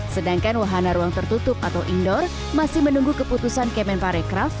sedangkan wahana ruang tertutup atau indoor masih menunggu keputusan kemen parekraf